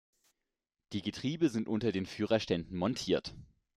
Die Getriebe sind unter den Führerständen montiert.